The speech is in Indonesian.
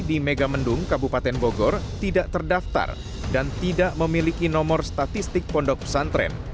di megamendung kabupaten bogor tidak terdaftar dan tidak memiliki nomor statistik pondok pesantren